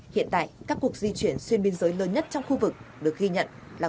hiện tại các cuộc di chuyển xuyên biên giới lớn nhất trong khu vực được ghi nhận là